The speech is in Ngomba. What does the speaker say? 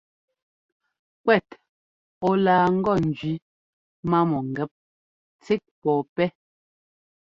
Kuɛt ɔ laa ŋgɔ njẅi má mɔ̂ngɛ́p tsík pɔ̂pɛ́.